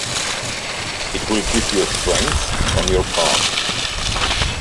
It will give you strength on your path.